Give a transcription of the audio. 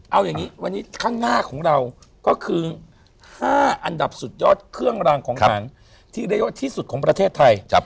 เอาอย่างนี้วันนี้ข้างหน้าของเราก็คือ๕อันดับสุดยอดเครื่องรางของขังที่เรียกว่าที่สุดของประเทศไทย